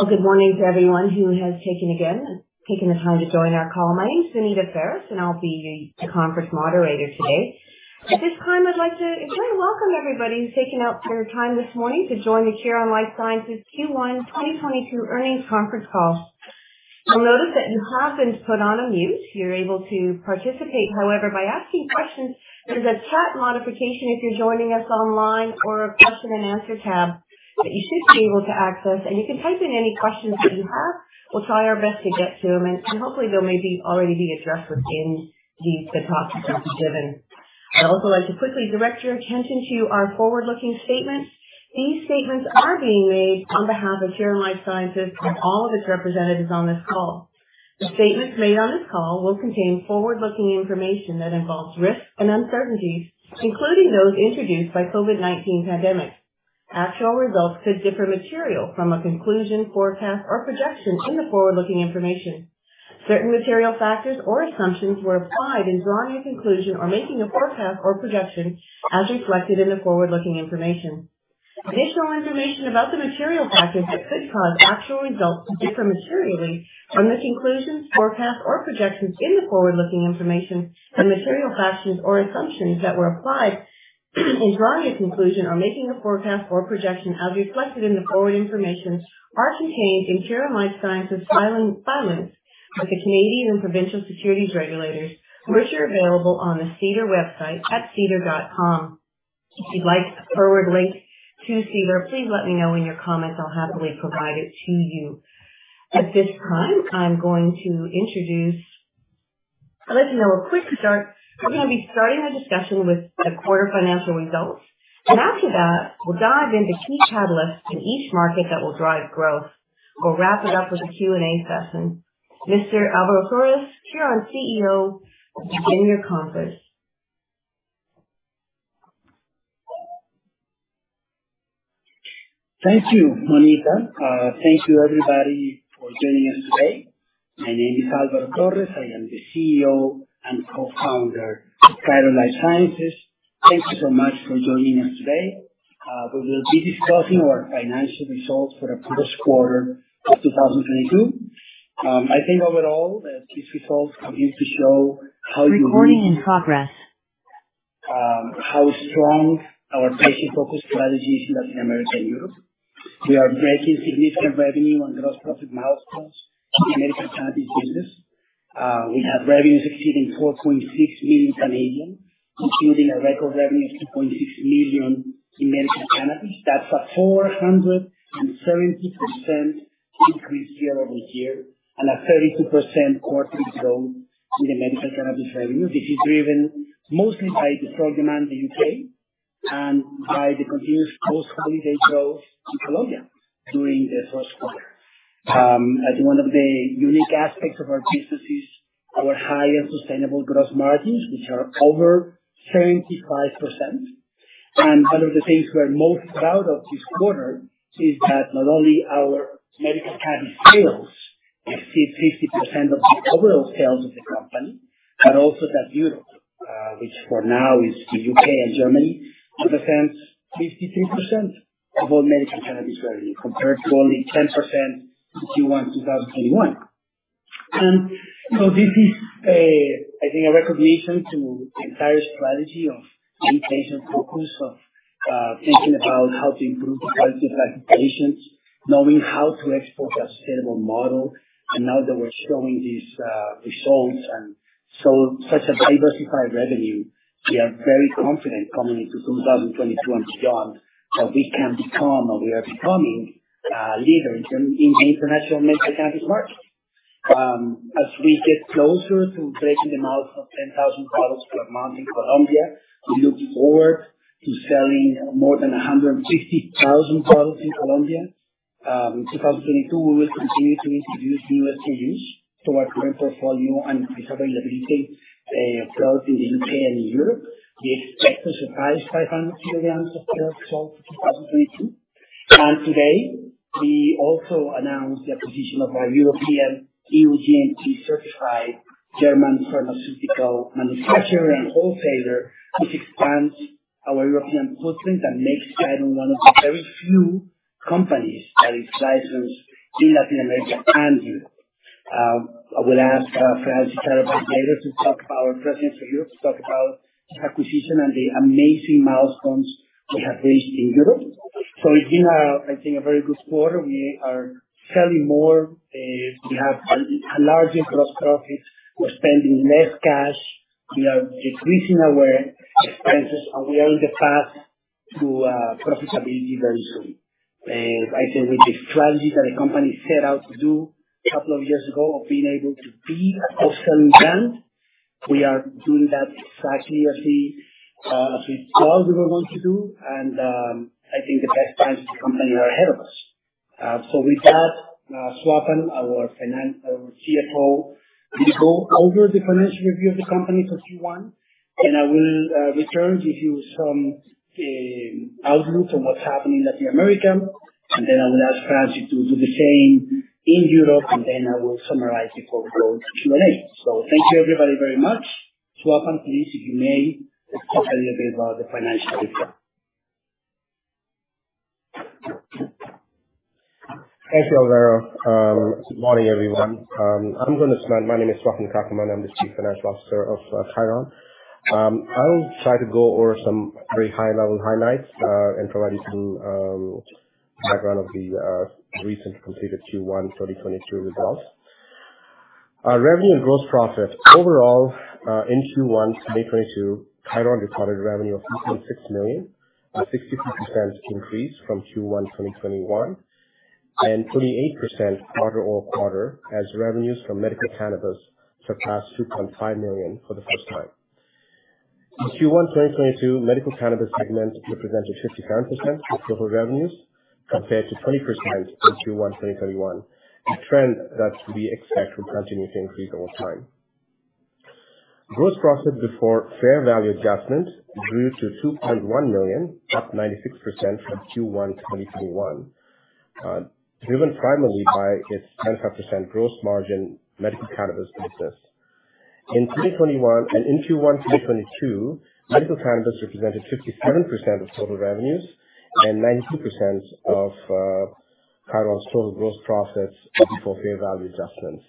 Well, good morning to everyone who has taken the time to join our call. My name is Anita Ferris, and I'll be the conference moderator today. At this time, I'd like to officially welcome everybody who's taken the time this morning to join the Khiron Life Sciences Q1 2022 earnings conference call. You'll notice that you have been put on mute. You're able to participate, however, by asking questions. There's a chat function if you're joining us online or a question and answer tab that you should be able to access. You can type in any questions that you have. We'll try our best to get to them and hopefully they'll maybe already be addressed within the talk that will be given. I'd also like to quickly direct your attention to our forward-looking statements. These statements are being made on behalf of Khiron Life Sciences and all of its representatives on this call. The statements made on this call will contain forward-looking information that involves risks and uncertainties, including those introduced by COVID-19 pandemic. Actual results could differ materially from a conclusion, forecast, or projection in the forward-looking information. Certain material factors or assumptions were applied in drawing a conclusion or making a forecast or projection as reflected in the forward-looking information. Additional information about the material factors that could cause actual results to differ materially from the conclusions, forecasts, or projections in the forward looking information and material factors or assumptions that were applied in drawing a conclusion, or making a forecast or projection as reflected in the forward information are contained in Khiron Life Sciences filings with the Canadian and provincial securities regulators, which are available on the SEDAR website at sedar.com. If you'd like a forward link to SEDAR, please let me know in your comments. I'll happily provide it to you. At this time, I'm going to introduce. I'd like to now get a quick start. We're gonna be starting the discussion with the quarter financial results, and after that we'll dive into key catalysts in each market that will drive growth. We'll wrap it up with a Q&A session. Mr. Alvaro Torres, Khiron CEO, begin your conference. Thank you, Anita. Thank you everybody for joining us today. My name is Alvaro Torres. I am the CEO and co-founder of Khiron Life Sciences. Thank you so much for joining us today. We will be discussing our financial results for the first quarter of 2022. I think overall, these results continue to show how. How strong our patient-focused strategy is in Latin America and Europe. We are breaking significant revenue on gross profit milestones in the medical cannabis business. We have revenues exceeding 4.6 million, including a record revenue of 2.6 million in medical cannabis. That's a 470% increase year-over-year, and a 32% quarterly growth in the medical cannabis revenue, which is driven mostly by the strong demand in the U.K. and by the continuous post-holiday growth in Colombia during the first quarter. I think one of the unique aspects of our business is our high and sustainable gross margins, which are over 75%. One of the things we're most proud of this quarter is that not only our medical cannabis sales exceed 50% of the overall sales of the company, but also that Europe, which for now is the U.K. and Germany, represents 53% of all medical cannabis revenue, compared to only 10% in Q1 2021. This is a, I think a recognition to the entire strategy of being patient-focused of, thinking about how to improve the quality of life of patients, knowing how to export a sustainable model. Now that we're showing these, results and so such a diversified revenue, we are very confident coming into 2022 and beyond, how we can become or we are becoming, leaders in the international medical cannabis market. As we get closer to breaking the mark of 10,000 bottles per month in Colombia, we look forward to selling more than 150,000 bottles in Colombia. In 2022, we will continue to introduce new SKUs to our current portfolio and recover the recent growth in the U.K. and Europe. We expect to surpass 500 kilograms of sales for 2022. Today, we also announced the acquisition of our European EU-GMP certified German pharmaceutical manufacturer and wholesaler, which expands our European footprint and makes Khiron one of the very few companies that is licensed in Latin America and Europe. I will ask Franziska Katterbach to talk about our presence in Europe, talk about the acquisition and the amazing milestones we have reached in Europe. It's been, I think, a very good quarter. We are selling more. We have a larger gross profit. We're spending less cash. We are decreasing our expenses and we are on the path to profitability very soon. I think with the strategy that the company set out to do a couple of years ago of being able to be an optimal brand, we are doing that exactly as we thought we were going to do. I think the best times of the company are ahead of us. With that, Swapan, our CFO, will go over the financial review of the company for Q1, and I will return, give you some outlook on what's happening in Latin America. I will ask Franziska to do the same in Europe, and then I will summarize before we go to Q&A. Thank you everybody very much. Swapan, please, if you may, just talk a little bit about the financial results. Thank you, Alvaro. Good morning, everyone. I'm gonna start. My name is Swapan Kakumanu. I'm the Chief Financial Officer of Khiron. I'll try to go over some very high-level highlights and provide you some background of the recent completed Q1 2023 results. Our revenue and gross profit overall in Q1 2023, Khiron recorded revenue of 3.6 million, a 60% increase from Q1 2021, and 28% quarter-over-quarter, as revenues from medical cannabis surpassed 2.5 million for the first time. In Q1 2022, medical cannabis segment represented 57% of total revenues compared to 20% in Q1 2021, a trend that we expect will continue to increase over time. Gross profit before fair value adjustments grew to 2.1 million, up 96% from Q1 2021. Driven primarily by its 10% gross margin medical cannabis business. In 2021 and in Q1 2022, medical cannabis represented 57% of total revenues and 92% of Khiron's total gross profits before fair value adjustments.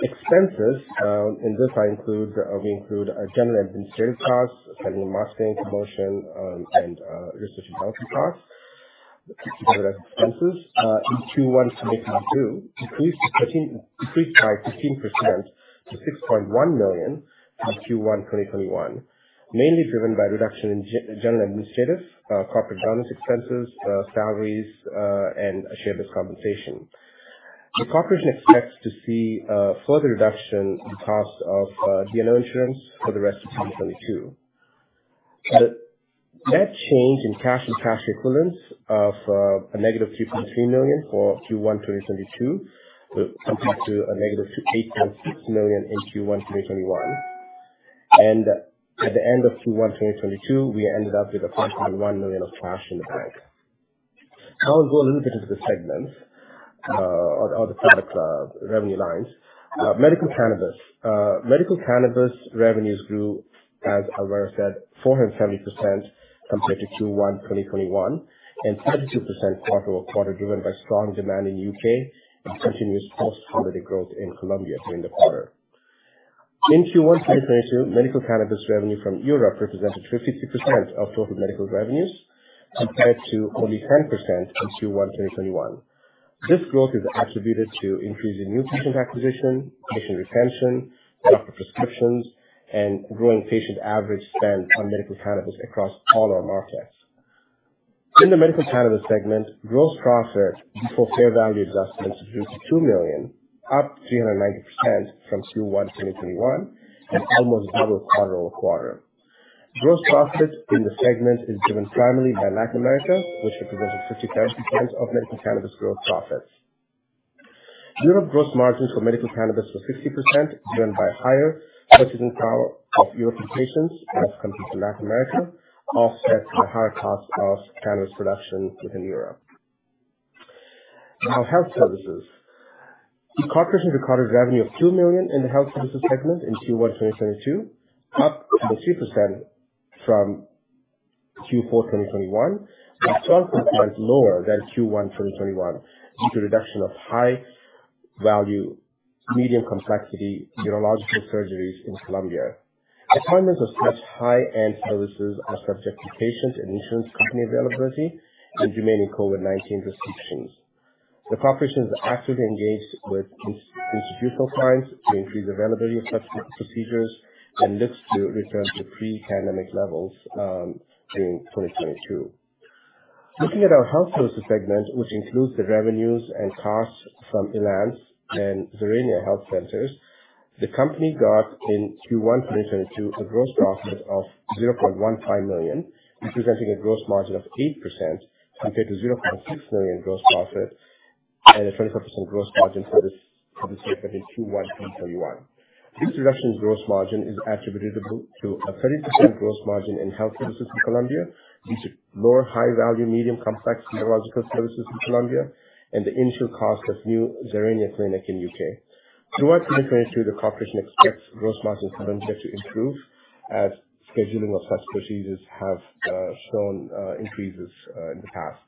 Expenses. In this we include general administrative costs, selling, marketing, promotion, and research and development costs. Those expenses in Q1 2022 increased by 15% to 6.1 million from Q1 2021, mainly driven by reduction in general administrative, corporate governance expenses, salaries, and share-based compensation. The corporation expects to see further reduction in costs of D&O insurance for the rest of 2022. The net change in cash and cash equivalents of a negative 3.3 million for Q1 2022, so compared to a negative 8.6 million in Q1 2021. At the end of Q1 2022, we ended up with 1.1 million of cash in the bank. I will go a little bit into the segments or the product revenue lines. Medical cannabis revenues grew, as Alvaro said, 470% compared to Q1 2021 and 32% quarter over quarter, driven by strong demand in U.K. and continuous post-pandemic growth in Colombia during the quarter. In Q1 2022, medical cannabis revenue from Europe represented 52% of total medical revenues, compared to only 10% in Q1 2021. This growth is attributed to increase in new patient acquisition, patient retention, doctor prescriptions, and growing patient average spend on medical cannabis across all our markets. In the medical cannabis segment, gross profit before fair value adjustments grew to 2 million, up 390% from Q1 2021 and almost double quarter-over-quarter. Gross profit in the segment is driven primarily by Latin America, which represented 57% of medical cannabis gross profits. Europe gross margins for medical cannabis were 60%, driven by higher purchasing power of European patients as compared to Latin America, offset by higher costs of cannabis production within Europe. Our health services. The corporation recorded revenue of 2 million in the health services segment in Q1 2022, up 20% from Q4 2021, but 12% lower than Q1 2021 due to reduction of high-value, medium complexity neurological surgeries in Colombia. Appointments of such high-end services are subject to patient and insurance company availability and remaining COVID-19 restrictions. The corporation is actively engaged with institutional clients to increase availability of such procedures and looks to return to pre-pandemic levels during 2022. Looking at our health services segment, which includes the revenues and costs from ILANS and Zerenia health centers, the company got in Q1 2022 a gross profit of 0.15 million, representing a gross margin of 8% compared to 0.6 million gross profit and a 24% gross margin for this segment in Q1 2021. This reduction in gross margin is attributable to a 30% gross margin in health services in Colombia due to lower high-value, medium-complexity neurological services in Colombia and the initial cost of new Zerenia clinic in U.K. Throughout 2023, the corporation expects gross margins in health services to improve as scheduling of such procedures have shown increases in the past.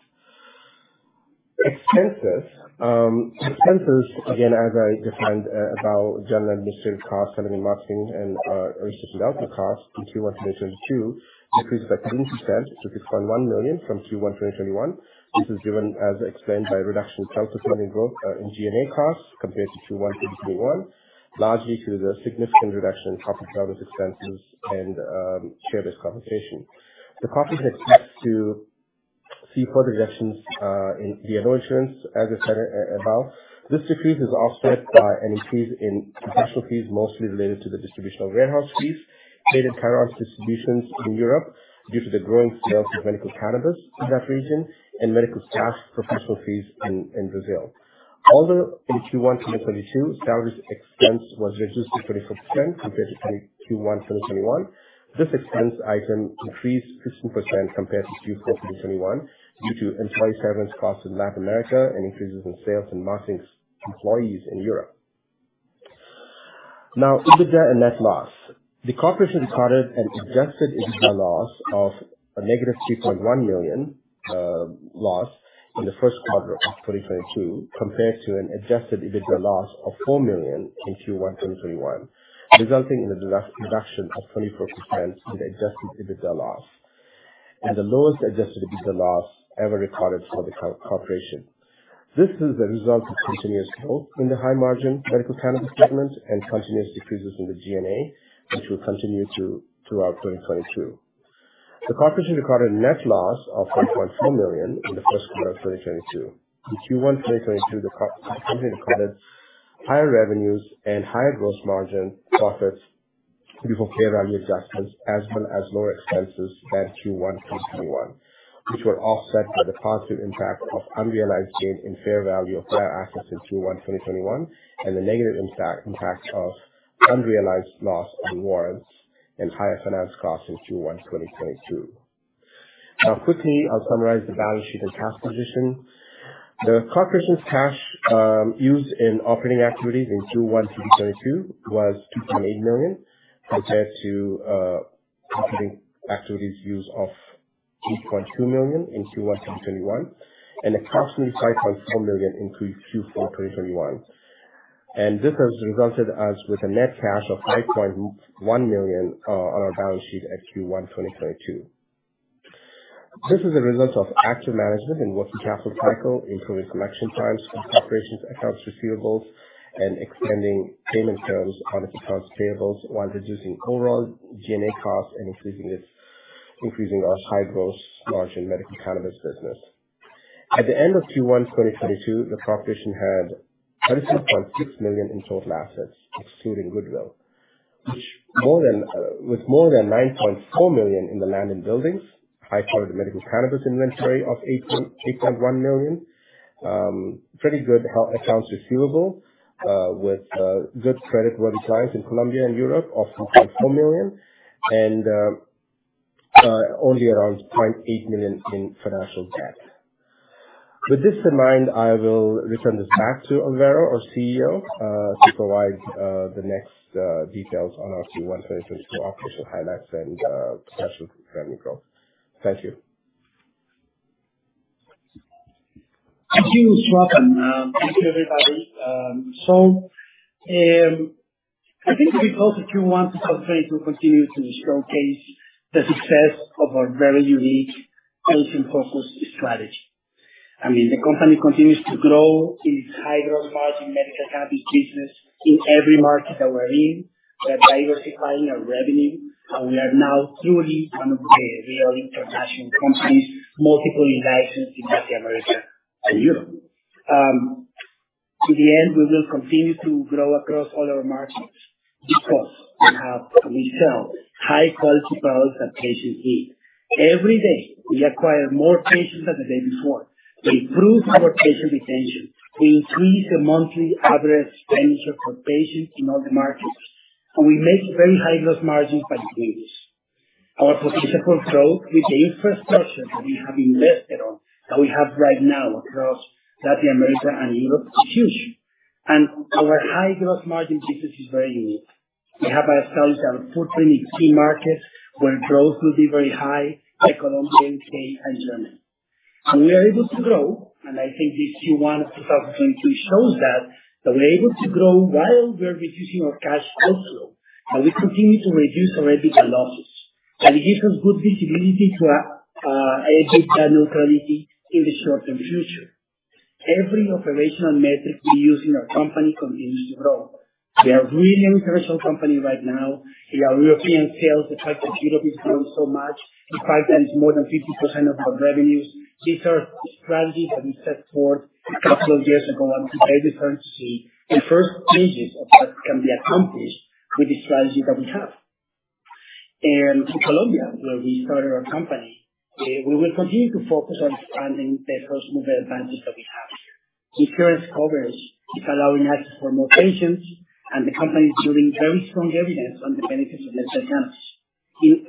Expenses. Expenses, again as I defined about general administrative costs, selling and marketing and research and development costs in Q1 2022 increased by 13% to 6.1 million from Q1 2021. This is driven as explained by reduction in sales, steady growth in G&A costs compared to Q1 2021, largely through the significant reduction in corporate governance expenses and share-based compensation. The corporation expects to see further reductions in D&O insurance as I said above. This decrease is offset by an increase in professional fees, mostly related to the distribution and warehouse fees related to Khiron's distributions in Europe due to the growing sales of medical cannabis in that region and medical staff professional fees in Brazil. Although in Q1 2022, salaries expense was reduced to 20% compared to Q1 2021. This expense item increased 15% compared to Q4 2021 due to employee severance costs in Latin America and increases in sales and marketing employees in Europe. Now, EBITDA and net loss. The corporation recorded an adjusted EBITDA loss of 3.1 million in the first quarter of 2022, compared to an adjusted EBITDA loss of 4 million in Q1 2021, resulting in a reduction of 24% in adjusted EBITDA loss, and the lowest adjusted EBITDA loss ever recorded for the corporation. This is the result of continuous growth in the high margin medical cannabis segment and continuous decreases in the G&A, which will continue throughout 2022. The corporation recorded net loss of 1.4 million in the first quarter of 2022. In Q1 2022, the corporation recorded higher revenues and higher gross margin profits due to fair value adjustments, as well as lower expenses than Q1 2021, which were offset by the positive impact of unrealized gain in fair value of financial assets in Q1 2021, and the negative impact of unrealized loss on warrants and higher finance costs in Q1 2022. Now quickly, I'll summarize the balance sheet and cash position. The corporation's cash used in operating activities in Q1 2022 was 2.8 million, compared to operating activities use of 8.2 million in Q1 2021, and a constant 5.4 million increase Q4 2021. This has resulted us with a net cash of 5.1 million on our balance sheet at Q1 2022. This is a result of active management and working capital cycle, improving collection times of the corporation's accounts receivables, and extending payment terms on its accounts payables while reducing overall G&A costs and increasing our high gross margin medical cannabis business. At the end of Q1 2022, the corporation had 36.6 million in total assets excluding goodwill, which, with more than 9.4 million in the land and buildings, high quality medical cannabis inventory of 8.1 million, pretty good accounts receivable with good credit worthy clients in Colombia and Europe of 4.4 million, and only around 0.8 million in financial debt. With this in mind, I will return this back to Alvaro, our CEO, to provide the next details on our Q1 2022 operational highlights and financial and growth. Thank you. Thank you, Swapan. Thank you, everybody. I think the results of Q1 2022 continue to showcase the success of our very unique patient-focused strategy. I mean, the company continues to grow its high growth margin medical cannabis business in every market that we're in. We are diversifying our revenue, and we are now truly one of the real international companies, multi-licensed in Latin America and Europe. To that end, we will continue to grow across all our markets because we have and we sell high quality products that patients need. Every day, we acquire more patients than the day before. We improve our patient retention. We increase the monthly average expenditure for patients in all the markets, and we make very high growth margins by doing this. Our potential for growth with the infrastructure that we have invested on, that we have right now across Latin America and Europe is huge. Our high growth margin business is very unique. We have established our footprint in key markets where growth will be very high, like Colombia, U.K., and Germany. We are able to grow, and I think this Q1 of 2022 shows that that we're able to grow while we're reducing our cash outflow, and we continue to reduce our EBITDA losses. It gives us good visibility to a EBITDA neutrality in the short-term future. Every operational metric we use in our company continues to grow. We are really an international company right now. In our European sales, the fact that Europe is growing so much, in fact that it's more than 50% of our revenues. These are strategies that we set forth a couple of years ago, and it's very different to see the first stages of what can be accomplished with the strategy that we have. In Colombia, where we started our company, we will continue to focus on expanding the first-mover advantage that we have here. Insurance coverage is allowing access for more patients, and the company is building very strong evidence on the benefits of medical cannabis.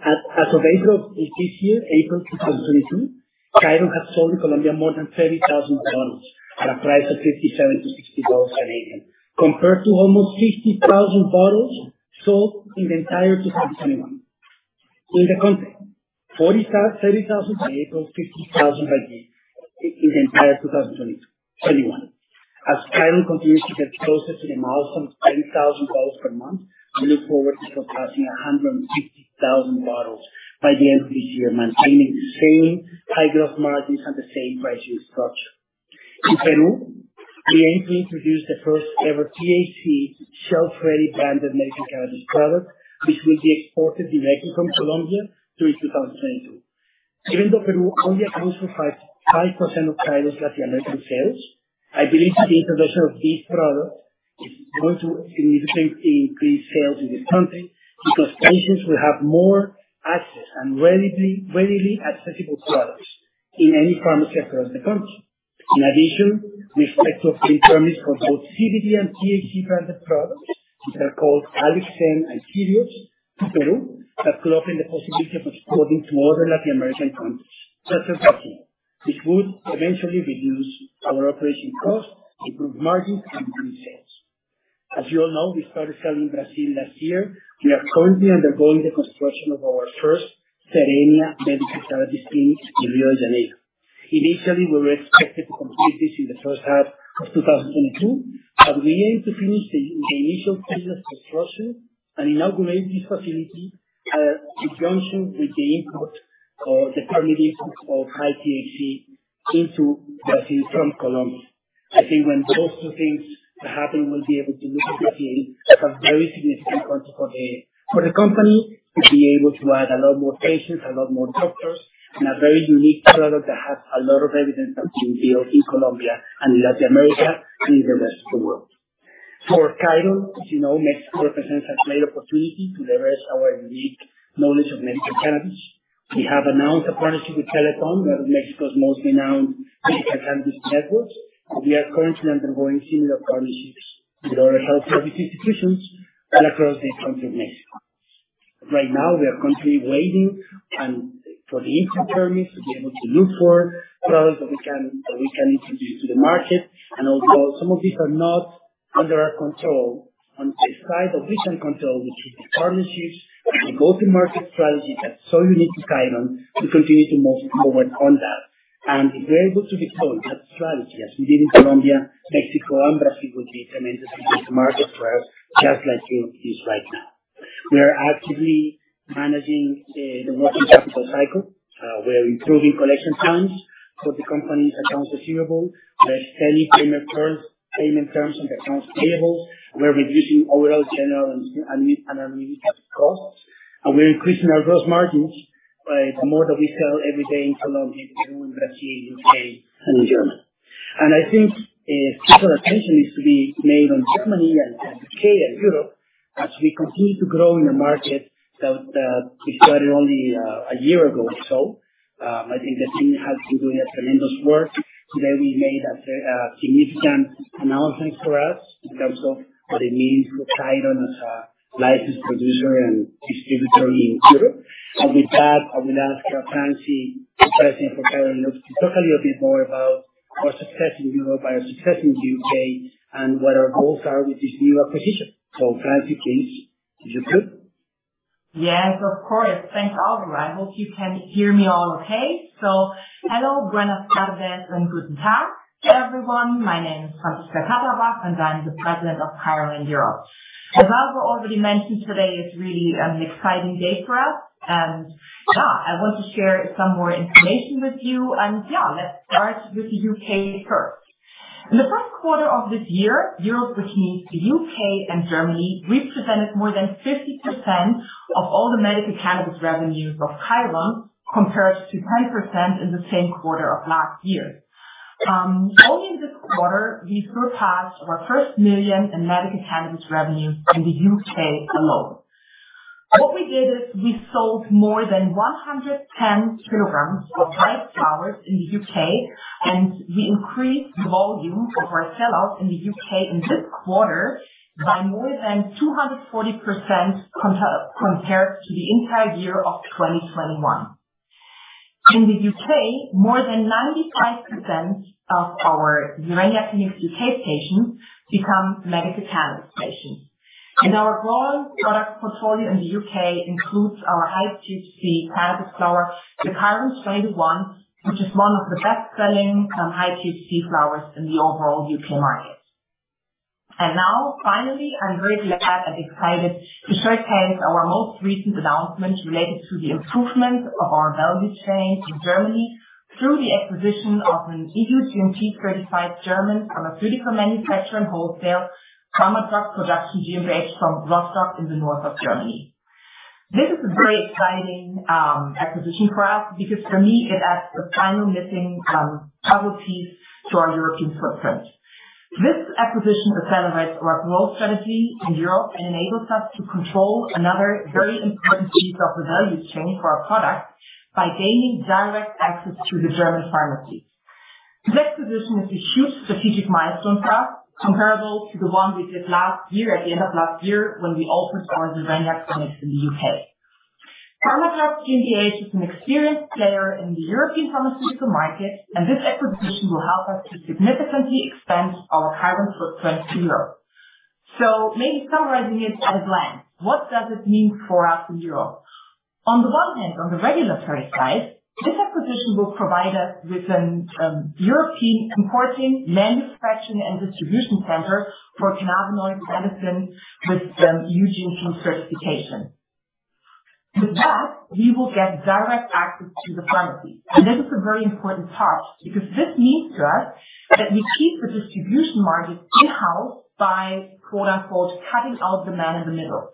As of April of this year, April 2022, Khiron has sold in Colombia more than 30,000 bottles at a price of 57-60 dollars an item, compared to almost 50,000 bottles sold in the entire 2021. In the context, 30,000 by April, 50,000 by the end. In the entire 2021. As Khiron continues to get closer to the milestone of 10,000 bottles per month, we look forward to surpassing 150,000 bottles by the end of this year, maintaining the same high growth margins and the same pricing structure. In Peru, we aim to introduce the first ever THC shelf-ready branded medical cannabis product, which will be exported directly from Colombia during 2022. Even though Peru only accounts for 5.5% of Khiron's Latin American sales, I believe that the introduction of this product is going to significantly increase sales in this country because patients will have more access and readily accessible products in any pharmacy across the country. In addition, we expect to obtain permits for both CBD and THC branded products, which are called Alixen and Khiriox in Peru, that could open the possibility of exporting to other Latin American countries such as Brazil. Which would eventually reduce our operation costs, improve margins, and increase sales. As you all know, we started selling in Brazil last year. We are currently undergoing the construction of our first Zerenia medical therapy clinic in Rio de Janeiro. Initially, we were expected to complete this in the first half of 2022, but we aim to finish the initial phases of construction and inaugurate this facility in conjunction with the import or the current import of high THC into Brazil from Colombia. I think when those two things happen, we'll be able to look at Brazil as a very significant country for the company to be able to add a lot more patients, a lot more doctors, and a very unique product that has a lot of evidence that's been built in Colombia and Latin America and the rest of the world. For Khiron, as you know, Mexico represents a great opportunity to leverage our unique knowledge of medical cannabis. We have announced a partnership with Teleton, one of Mexico's most renowned medical cannabis networks, and we are currently undergoing similar partnerships with other health service institutions across the country of Mexico. Right now, we are constantly waiting for the import permits to be able to look for products that we can introduce to the market. Although some of these are not under our control, on the side of which we control, which is the partnerships, the go-to-market strategy that's so unique to Khiron, we continue to move forward on that. If we're able to deploy that strategy as we did in Colombia, Mexico and Brazil would be tremendous success markets for us, just like Europe is right now. We are actively managing the working capital cycle. We're improving collection times for the company's accounts receivable. We're extending payment terms on accounts payable. We're reducing overall general and administrative costs. We're increasing our gross margins by the more that we sell every day in Colombia, Peru, and Brazil, U.K., and in Germany. I think special attention is to be made on Germany and the U.K. and Europe as we continue to grow in the market that we started only a year ago or so. I think the team has been doing a tremendous work. Today we made a very significant announcement for us in terms of what it means for Khiron as a licensed producer and distributor in Europe. With that, I will ask our Franzi, the president for Khiron Europe, to talk a little bit more about our success in Europe, our success in U.K., and what our goals are with this new acquisition. Franzi, please. If you're good. Yes, of course. Thanks, Alvaro. I hope you can hear me all okay. Hello, buenas tardes, and guten tag, everyone. My name is Franziska Katterbach, and I'm the President of Khiron Europe. As Alvaro already mentioned, today is really an exciting day for us. Ja, I want to share some more information with you. Ja, let's start with the U.K. first. In the first quarter of this year, Europe, which means the U.K. and Germany, represented more than 50% of all the medical cannabis revenues of Khiron, compared to 10% in the same quarter of last year. Only this quarter, we surpassed our first 1 million in medical cannabis revenue in the U.K. alone. What we did is we sold more than 110 kilograms of dried flowers in the U.K., and we increased the volume of our sell-outs in the U.K. in this quarter by more than 240% compared to the entire year of 2021. In the U.K., more than 95% of our Zerenia Clinics U.K. patients become medical cannabis patients. Our growing product portfolio in the U.K. includes our high-THC cannabis flower, the KHIRON 20/1, which is one of the best-selling high-THC flowers in the overall U.K. market. Now, finally, I'm very glad and excited to showcase our most recent announcement related to the improvement of our value chain in Germany through the acquisition of an EU-GMP certified German pharmaceutical manufacturer and wholesaler, Pharmadrug Production GmbH from Rostock in the north of Germany. This is a very exciting acquisition for us because for me it adds the final missing puzzle piece to our European footprint. This acquisition accelerates our growth strategy in Europe and enables us to control another very important piece of the value chain for our product by gaining direct access to the German pharmacies. This acquisition is a huge strategic milestone for us, comparable to the one we did last year, at the end of last year when we opened our Zerenia clinics in the U.K.. Pharmadrug Production GmbH is an experienced player in the European pharmaceutical market, and this acquisition will help us to significantly expand our Khiron footprint in Europe. Maybe summarizing it at a glance, what does this mean for us in Europe? On the one hand, on the regulatory side, this acquisition will provide us with an European importing, manufacturing, and distribution center for cannabinoid medicine with EU-GMP certification. With that, we will get direct access to the pharmacies. This is a very important part because this means to us that we keep the distribution margin in-house by quote-unquote, "cutting out the man in the middle."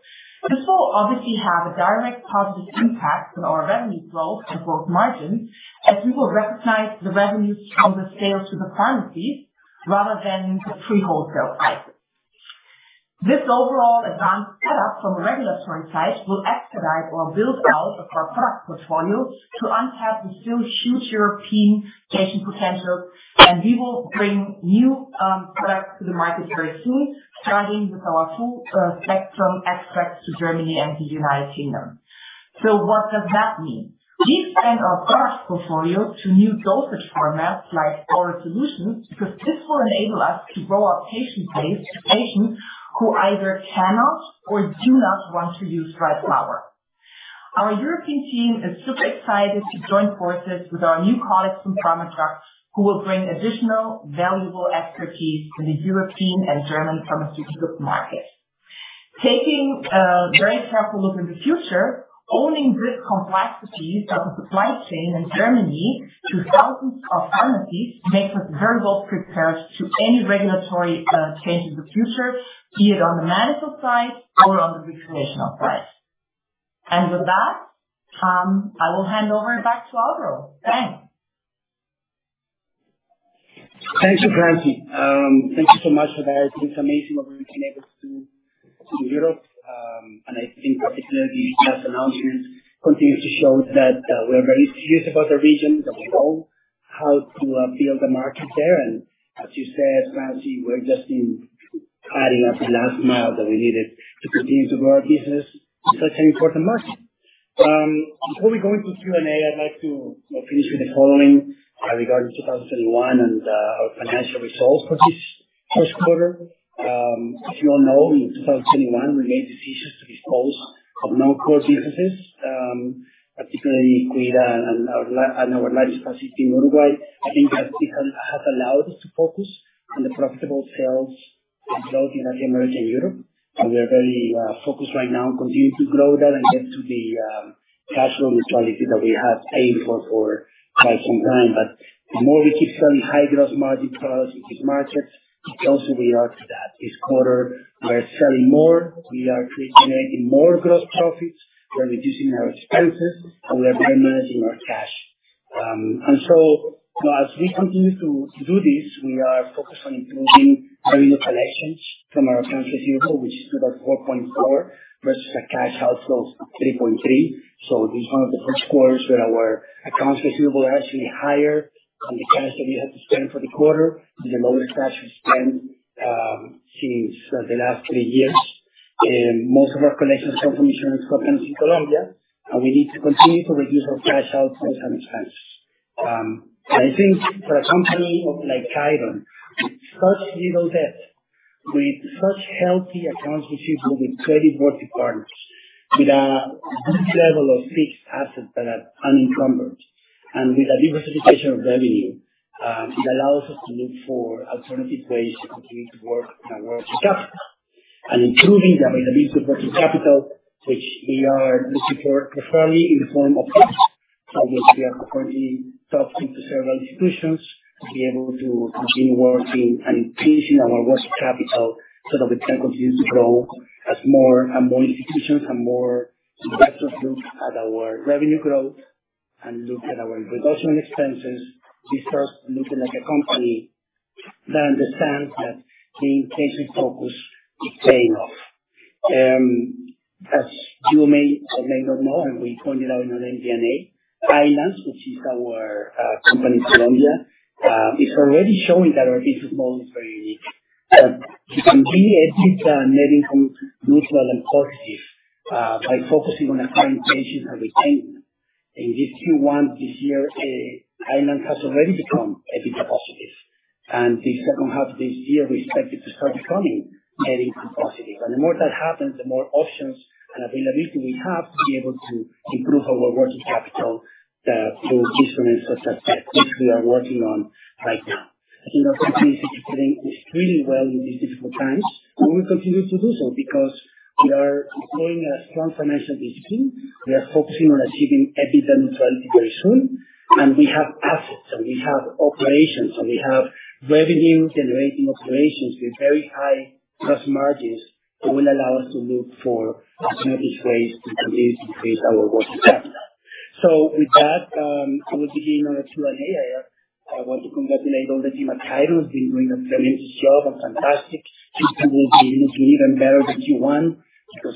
This will obviously have a direct positive impact on our revenue growth and growth margin, as we will recognize the revenues from the sales to the pharmacies rather than the pre-wholesale price. This overall advanced setup from a regulatory side will expedite our build-out of our product portfolio to unpack the still huge European patient potential, and we will bring new products to the market very soon, starting with our full spectrum extracts to Germany and the United Kingdom. What does that mean? We expand our product portfolio to new dosage formats like oral solutions, because this will enable us to grow our patient base to patients who either cannot or do not want to use dry flower. Our European team is super excited to join forces with our new colleagues from Pharmadrug who will bring additional valuable expertise to the European and German pharmaceutical market. Taking a very careful look in the future, owning this complexity of the supply chain in Germany to thousands of pharmacies makes us very well prepared to any regulatory, changes of the future, be it on the medical side or on the recreational side. With that, I will hand over back to Alvaro. Thanks. Thank you, Franziska. Thank you so much for that information that we've been able to to Europe. I think particularly the last announcement continues to show that we are very serious about the region, that we know how to build the market there. As you said, Franziska, we're just adding the last mile that we needed to continue to grow our business in such an important market. Before we go into Q&A, I'd like to finish with the following, regarding 2021 and our financial results for this first quarter. As you all know, in 2021, we made decisions to dispose of non-core businesses, particularly Kuida and our lab capacity in Uruguay. I think that this has allowed us to focus on the profitable sales we built in Latin America and Europe. We are very focused right now on continuing to grow that and get to the cash flow neutrality that we have aimed for for quite some time. The more we keep selling high gross margin products in these markets, the closer we are to that. This quarter, we are selling more, we are creating more gross profits, we are reducing our expenses, and we are better managing our cash. As we continue to do this, we are focused on improving our collections from our accounts receivable, which is about 4.4 versus a cash outflow of 3.3. This is one of the first quarters where our accounts receivable are actually higher than the cash that we have to spend for the quarter. This is the lowest cash we've spent since the last three years. Most of our collections come from insurance companies in Colombia, and we need to continue to reduce our cash out and some expenses. I think for a company of like Khiron, with such little debt, with such healthy accounts receivable, with credit-worthy partners, with a good level of fixed assets that are unencumbered and with a diversification of revenue, it allows us to look for alternative ways to continue to work on our working capital and improving the availability of working capital, which we are looking for preferably in the form of debt. We are currently talking to several institutions to be able to continue working and increasing our working capital so that we can continue to grow as more and more institutions and more investors look at our revenue growth and look at our reduction in expenses. We start looking like a company that understands that being patient-focused is paying off. As you may or may not know, and we pointed out in our MD&A, ILANS, which is our company in Colombia, is already showing that our business model is very unique. That to continue EBITDA net income neutral and positive, by focusing on acquiring patients and retaining them. In this Q1 this year, ILANS has already become EBITDA positive. The second half of this year, we expect it to start becoming net income positive. The more that happens, the more options and availability we have to be able to improve our working capital, through instruments such as debt, which we are working on right now. Our company is doing really well in these difficult times, and we continue to do so because we are employing a strong financial discipline. We are focusing on achieving EBITDA neutrality very soon. We have assets, and we have operations, and we have revenue-generating operations with very high gross margins that will allow us to look for alternative ways to continue to increase our working capital. With that, I will begin on the Q&A. I want to congratulate all the team at Khiron has been doing a tremendous job, a fantastic. Q2 will be even better than Q1 because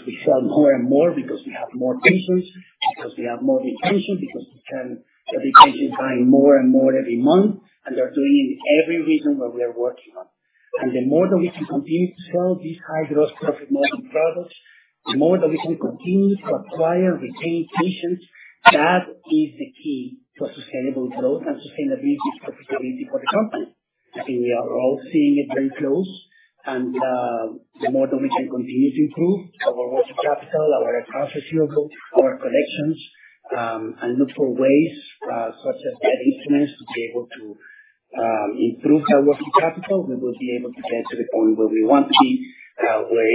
we sell more and more, because we have more patients, because we have more retention, because we can have the patients buying more and more every month, and they're doing in every region where we are working on. The more that we can continue to sell these high gross profit margin products, the more that we can continue to acquire, retain patients, that is the key to a sustainable growth and sustainability and profitability for the company. I think we are all seeing it very close. The more that we can continue to improve our working capital, our accounts receivable, our collections, and look for ways, such as debt instruments to be able to improve our working capital. We will be able to get to the point where we want to be, where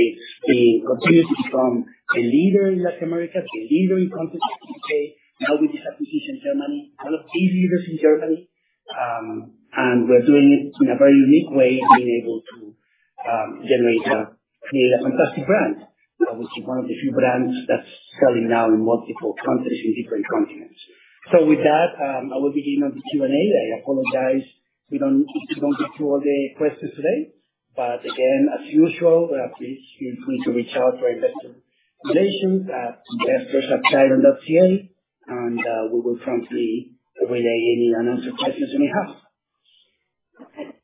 it's becoming a leader in Latin America, a leader in countries like the U.K.. Now with this acquisition in Germany, one of the leaders in Germany. We're doing it in a very unique way, being able to create a fantastic brand, which is one of the few brands that's selling now in multiple countries, in different continents. With that, I will begin on the Q&A. I apologize we don't get to all the questions today, but again, as usual, we are pleased for you to reach out to our investor relations at investors@khiron.ca. We will promptly relay any unanswered questions you may have. Thank you,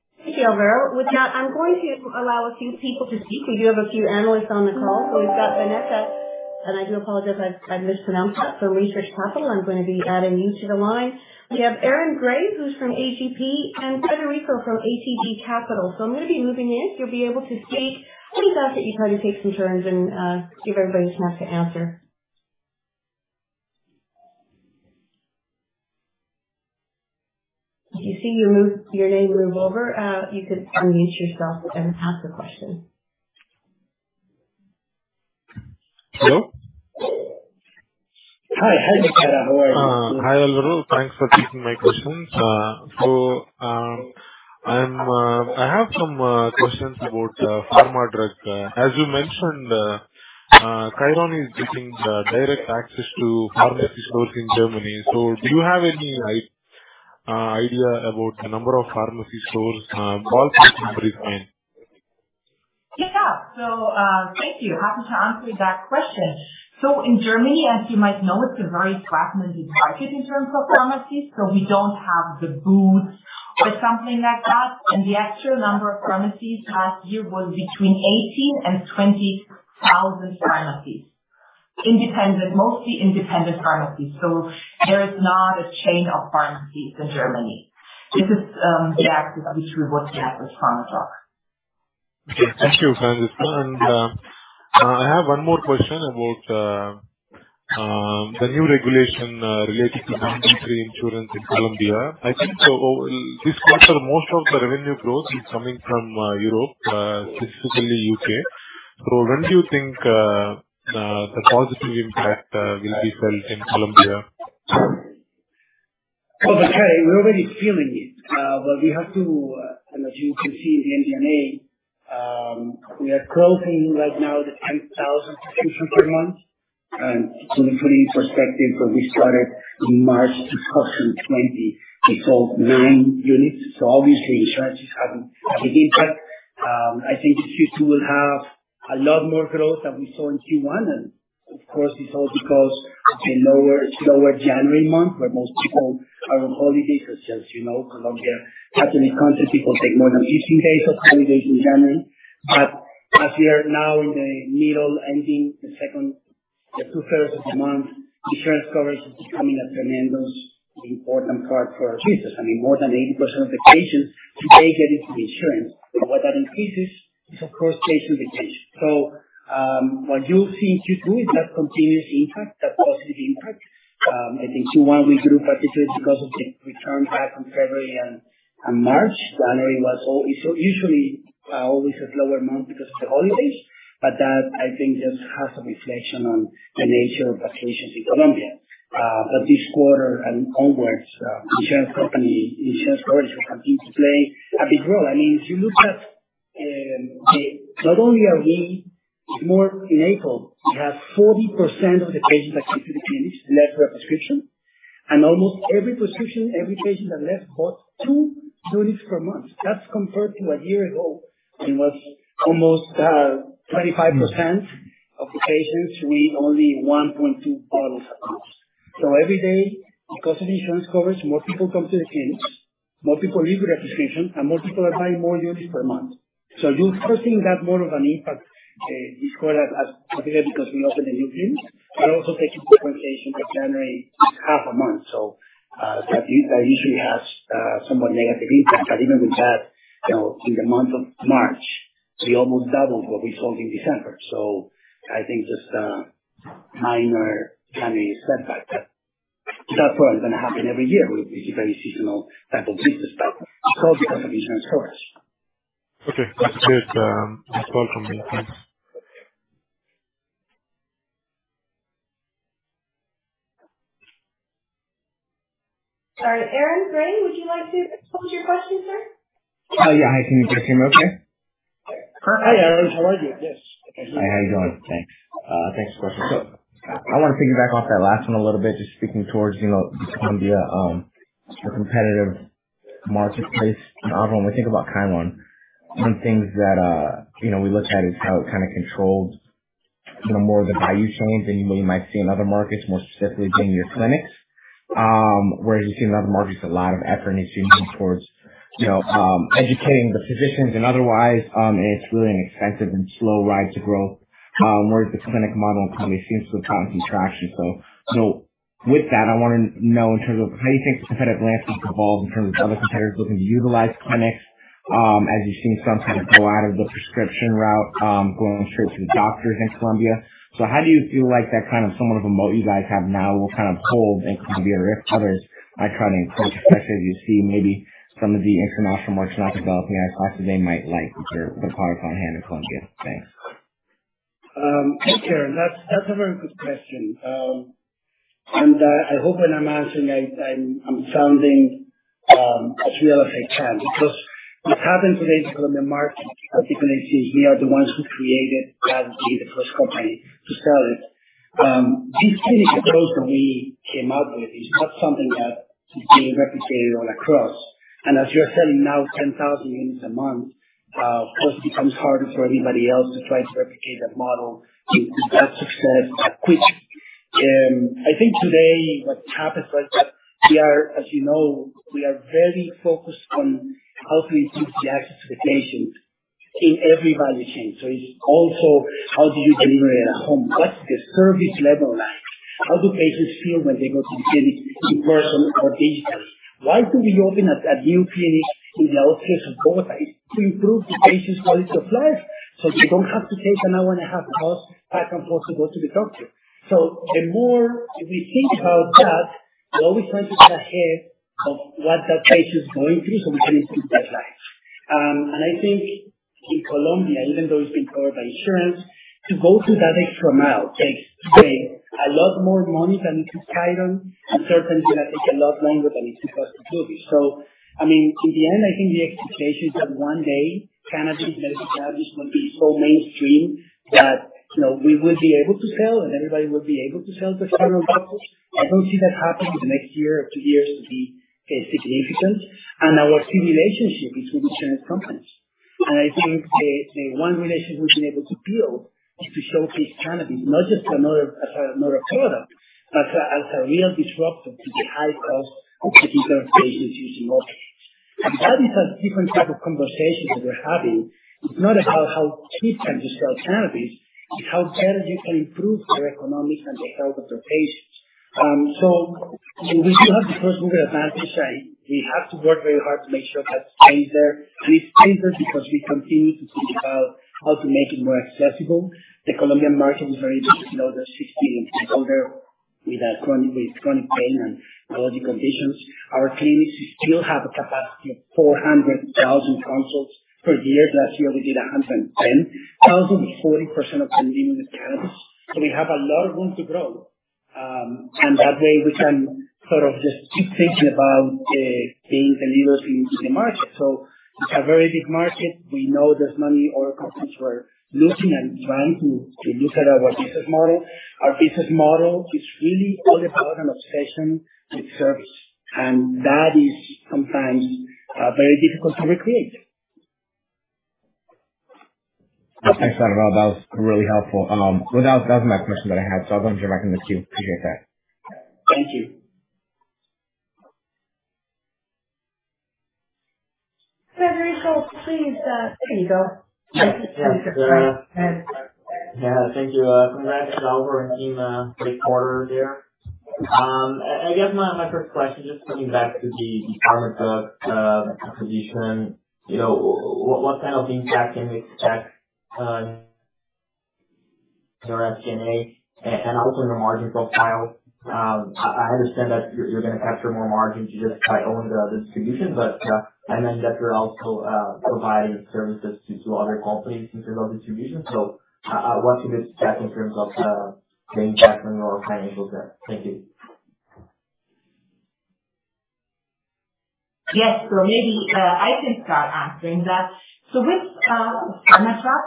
Alvaro. With that, I'm going to allow a few people to speak. We do have a few analysts on the call. We've got Vanessa, and I do apologize, I've mispronounced that, from Research Capital. I'm gonna be adding you to the line. We have Aaron Grey, who's from A.G.P., and Frederico from ATB Capital. I'm gonna be moving in. You'll be able to speak. I just ask that you try to take some turns and give everybody a chance to answer. If you see your name move over, you could unmute yourself and ask the question. Hello. Hi. Hi, Venkata. How are you? Hi, Alvaro. Thanks for taking my questions. I have some questions about Pharmadrug. As you mentioned, Khiron is getting direct access to pharmacy stores in Germany. Do you have any idea about the number of pharmacy stores involved in this redesign? Yeah. Thank you. Happy to answer that question. In Germany, as you might know, it's a very fragmented market in terms of pharmacies. We don't have the Boots or something like that. The actual number of pharmacies last year was between 18,000 and 20,000 pharmacies. Mostly independent pharmacies. There is not a chain of pharmacies in Germany. This is the access which we want to have with Pharmadrug. Okay. Thank you, Vanessa. I have one more question about the new regulation related to mandatory insurance in Colombia. I think this quarter, most of the revenue growth is coming from Europe, specifically U.K.. When do you think the positive impact will be felt in Colombia? Oh, okay. We're already feeling it. As you can see in the MD&A, we are closing right now the 10,000 patients per month. To put it in perspective, when we started in March 2020, we sold 9 units. Obviously insurance is having a big impact. I think Q2 will have a lot more growth than we saw in Q1. Of course it's all because it's a lower January month where most people are on holidays. As you know, Colombia, Catholic country, people take more than 15 days of holidays in January. We are now in the middle, ending the second two-thirds of the month, insurance coverage is becoming a tremendous important part for our business. I mean, more than 80% of the patients today get it through insurance. What that increases is of course patient retention. What you'll see in Q2 is that continuous impact, that positive impact. I think Q1 we grew particularly because of the return back from February and March. January was also usually always a slower month because of the holidays, but that I think just has a reflection on the nature of vacations in Colombia. This quarter and onwards, insurance coverage will continue to play a big role. I mean, if you look at, not only are we more enabled, we have 40% of the patients that come to the clinics left with a prescription. Almost every prescription, every patient that left bought 2 units per month. That's compared to a year ago, it was almost 25% of the patients with only 1.2 bottles across. Every day, because of insurance coverage, more people come to the clinics, more people leave with a prescription, and more people are buying more units per month. You're seeing that more of an impact this quarter as particularly because we opened a new clinic, but also taking into consideration that January is half a month. That usually has somewhat negative impact. Even with that, you know, in the month of March, we almost doubled what we sold in December. I think just a minor tiny setback that probably is gonna happen every year. We're a very seasonal type of business, but of course because of insurance coverage. Okay. That's it. That's all from me. Thanks. All right. Aaron Grey, would you like to pose your question, sir? Oh, yeah. Hi, can you guys hear me okay? Perfect. Hi, Aaron. How are you? Yes. Hi, how are you doing? Thanks. Thanks for the question. I wanna piggyback off that last one a little bit, just speaking towards, you know, Colombia, the competitive marketplace. Often when we think about Khiron, one thing that, you know, we look at is how it kind of controls, you know, more of the value chain than you really might see in other markets, more specifically being your clinics. Whereas you see in other markets a lot of effort is used towards, you know, educating the physicians and otherwise, and it's really an expensive and slow ride to growth, whereas the clinic model in Colombia seems to have gained traction. With that, I wanna know in terms of how do you think the competitive landscape has evolved in terms of other competitors looking to utilize clinics, as you've seen some kind of go out of the prescription route, going straight to the doctors in Colombia. How do you feel like that kind of somewhat of a moat you guys have now will kind of hold in Colombia or if others might try to encroach, especially as you see maybe some of the international merchants like Walgreens and Costco, they might like your product on-hand in Colombia? Thanks. Sure. That's a very good question. I hope when I'm answering I'm sounding as real as I can because what happens today is when the market, particularly since we are the ones who created that being the first company to sell it, this clinic approach that we came up with is not something that is being replicated all across. As you're selling now 10,000 units a month, plus it becomes harder for anybody else to try to replicate that model to have success at which I think today what happens is that we are, as you know, very focused on how can we keep the access to patients in every value chain. It's also how do you deliver it at home? What's the service level like? How do patients feel when they go to the clinic in-person or digitally? Why do we open a new clinic in the outskirts of Bogotá? It's to improve the patient's quality of life, so they don't have to take an hour and a half bus back and forth to go to the doctor. The more we think about that, we're always trying to get ahead of what that patient's going through so we can improve that life. I think in Colombia, even though it's been covered by insurance, to go through that extra mile takes today a lot more money than it did prior, and certainly is gonna take a lot longer than it used to possibly. I mean, in the end, I think the expectation is that one day cannabis medicine products will be so mainstream that, you know, we will be able to sell and everybody will be able to sell to general doctors. I don't see that happening in the next year or two years to be significant. Our key relationship is with insurance companies. I think the one relationship we've been able to build is to showcase cannabis, not just as another product, but as a real disruptor to the high cost of particular patients using opioids. That is a different type of conversation that we're having. It's not about how cheap can you sell cannabis. It's how well you can improve the economics and the health of your patients. We still have the first mover advantage. We have to work very hard to make sure that stays there. It stays there because we continue to think about how to make it more accessible. The Colombian market is very big. It's another 16 and older with chronic pain and neurologic conditions. Our clinics still have a capacity of 400,000 consults per year. Last year we did 110,000, with 40% of them being with cannabis. We have a lot of room to grow. That way we can sort of just keep thinking about being the leaders in the market. It's a very big market. We know there's many other companies who are looking and trying to look at our business model. Our business model is really all about an obsession with service, and that is sometimes very difficult to recreate. Thanks, Alvaro. That was really helpful. Well, that was my question that I had. I'll go and jump back in the queue. Appreciate that. Thank you. Frederico, please. There you go. Thank you. Congrats, Alvaro and team. Great quarter there. I guess my first question, just coming back to the Pharmadrug acquisition. You know, what kind of impact can we expect, your SG&A and also your margin profile? I understand that you're gonna capture more margins just by owning the distribution, but and then that you're also providing services to other companies in terms of distribution. What can we expect in terms of the impact on your financial growth? Thank you. Yes. Maybe I can start answering that. With Pharmadrug,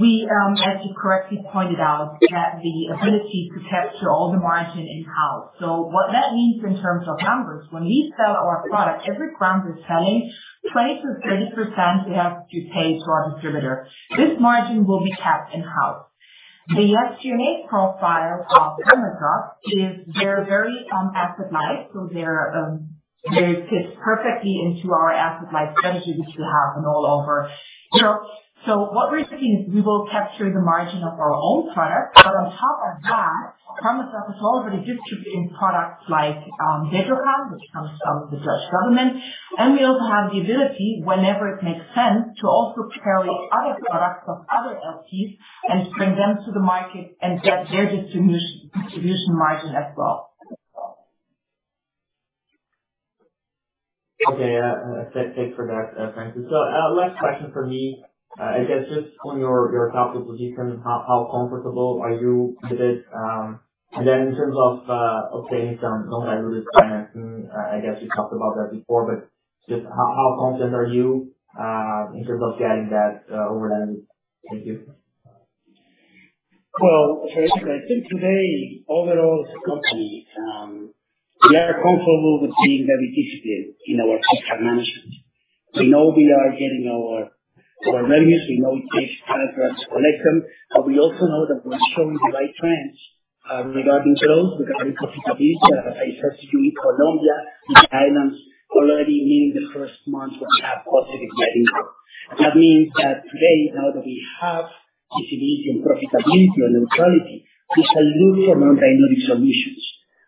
we, as you correctly pointed out, have the ability to capture all the margin in-house. What that means in terms of numbers, when we sell our product, every gram we're selling, 20%-30% we have to pay to our distributor. This margin will be kept in-house. The SG&A profile of Pharmadrug is they're very asset light, so they fit perfectly into our asset-light strategy which we have and all over. You know, what we're thinking is we will capture the margin of our own product, but on top of that, Pharmadrug is already distributing products like Bedrocan, which comes out of the Dutch government. We also have the ability, whenever it makes sense, to also carry other products of other LPs and bring them to the market and get their distribution margin as well. Okay. Thanks for that, Franziska. Last question from me. I guess just on your capital decision, how comfortable are you with it? In terms of obtaining some non-dilutive financing, I guess you talked about that before, but just how confident are you in terms of getting that over the line? Thank you. Well, Frederico, I think today overall as a company, we are comfortable with being very disciplined in our cash management. We know we are getting our revenues. We know it takes time for us to collect them, but we also know that we're showing the right trends, regarding growth, regarding profitability. As I said to you, Colombia and ILANS already in the first month have positive net income. That means that today, now that we have stability and profitability and neutrality, we can look for non-dilutive solutions.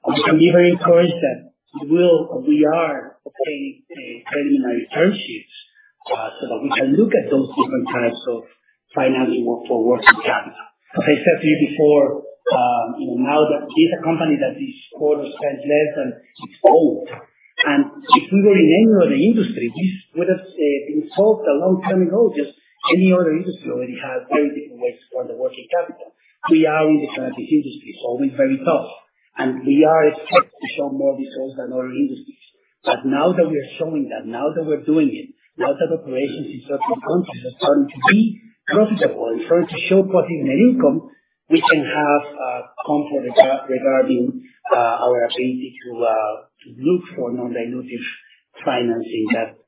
We can be very encouraged that we will, we are obtaining, preliminary term sheets, so that we can look at those different types of financing for working capital. As I said to you before, now that this is a company that this quarter spends less than it owes, and if we were in any other industry, this would have been solved a long time ago. Just any other industry already has very different ways to fund the working capital. We are in the cannabis industry. It's always very tough, and we are expected to show more results than other industries. Now that we are showing that, now that we're doing it, now that operations in certain countries are starting to be profitable and starting to show positive net income, we can have comfort regarding our ability to look for non-dilutive financing that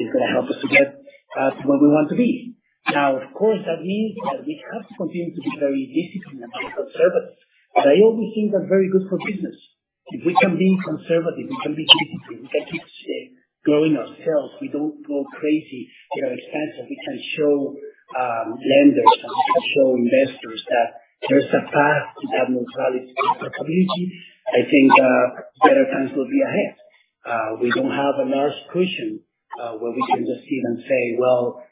is gonna help us to get to where we want to be. Now, of course, that means that we have to continue to be very disciplined and very conservative. I always think that's very good for business. If we can be conservative, we can be disciplined, we can keep growing ourselves. We don't go crazy, get expensive. We can show lenders and show investors that there's a path to have neutrality and profitability. I think better times will be ahead. We don't have a large cushion, where we can just sit and say, "Well,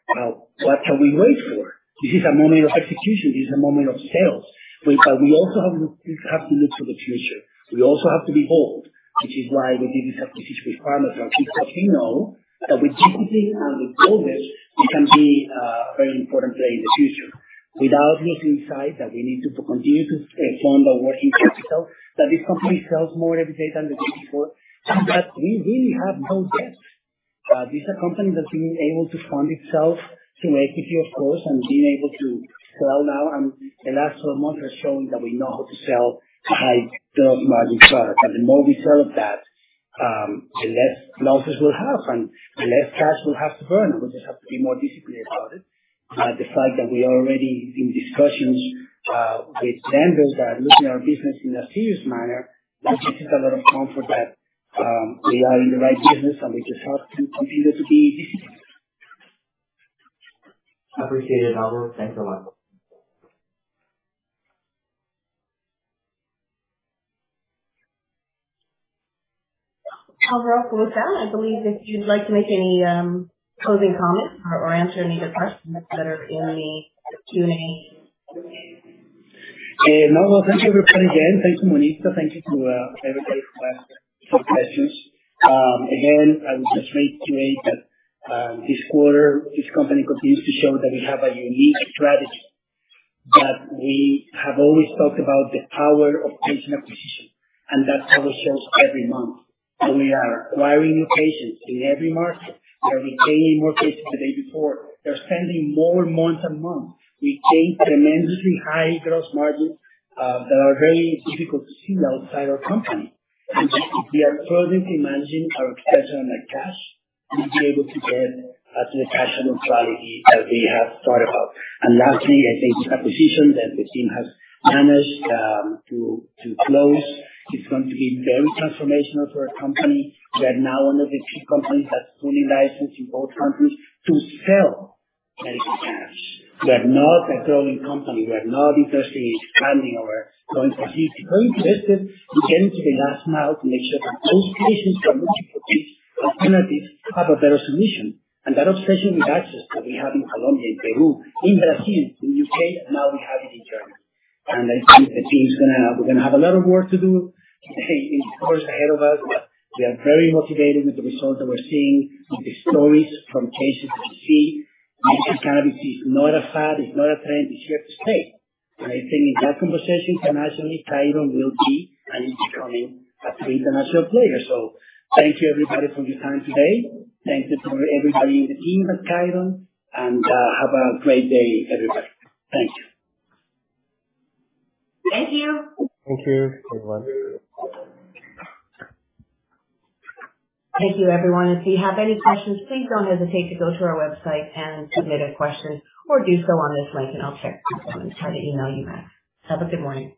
what can we wait for?" This is a moment of execution. This is a moment of sales. We also have to look to the future. We also have to be bold, which is why we did these acquisitions. I think that we know that with discipline and with boldness, we can be a very important player in the future. Without losing sight that we need to continue to fund our working capital, that this company sells more every day than the day before, and that we really have no debt. This is a company that's been able to fund itself through equity, of course, and been able to sell now. The last four months has shown that we know how to sell high gross margin products. The more we sell of that, the less losses we'll have and the less cash we'll have to burn. We just have to be more disciplined about it. The fact that we are already in discussions with lenders that are looking at our business in a serious manner gives us a lot of comfort that we are in the right business and we just have to continue to be disciplined. Appreciated, Alvaro. Thanks a lot. Álvaro Torres, with that, I believe if you'd like to make any closing comments or answer any of the questions that are in the Q&A. No. Thank you, everybody, again. Thanks, Sunita. Thank you to everybody who asked some questions. Again, I would just reiterate that this quarter, this company continues to show that we have a unique strategy, that we have always talked about the power of patient acquisition, and that power shows every month. We are acquiring new patients in every market. We are retaining more patients the day before. They're spending more month-on-month. We maintain tremendously high gross margins that are very difficult to see outside our company. If we are prudently managing our cash, we'll be able to get to the cash neutrality that we have thought about. Lastly, I think this acquisition that the team has managed to close, it's going to be very transformational for our company. We are now one of the few companies that's fully licensed in both countries to sell medical cannabis. We are not a growing company. We are not interested in expanding or going for this. We're interested in getting to the last mile to make sure that those patients who are looking for these alternatives have a better solution. That obsession with access that we have in Colombia, in Peru, in Brazil, in U.K., and now we have it in Germany. I think we're gonna have a lot of work to do in the quarters ahead of us. We are very motivated with the results that we're seeing, with the stories from patients that we see, that this cannabis is not a fad, it's not a trend, it's here to stay. I think in that conversation internationally, Khiron will be and is becoming a key international player. Thank you, everybody, for your time today. Thank you to everybody in the team at Khiron. Have a great day, everybody. Thank you. Thank you. Thank you. Thanks a lot. Thank you, everyone. If you have any questions, please don't hesitate to go to our website and submit a question or do so on this link, and I'll check and try to email you back. Have a good morning.